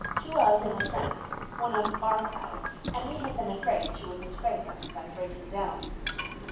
She was, in a sense, one of "our crowd," and we had been afraid she would disgrace us by breaking down.